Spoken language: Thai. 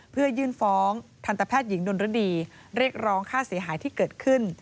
เพื่อยื่นฟ้องทันตแพทย์หญิงดนรดีเรียกร้องค่าเสียหายที่เกิดขึ้น